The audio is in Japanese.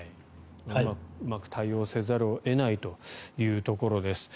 うまく対応せざるを得ないというところです。